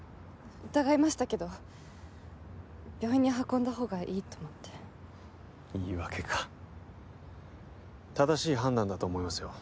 疑いましたけど病院に運んだほうがいいと思って言い訳か正しい判断だと思いますよ